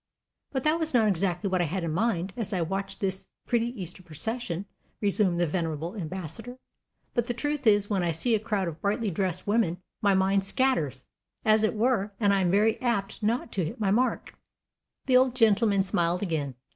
"But that was not exactly what I had in mind as I watched this pretty Easter procession," resumed the venerable Ambassador; "but the truth is that when I see a crowd of brightly dressed women, my mind scatters, as it were, and I am very apt not to hit my mark." The old gentleman smiled again.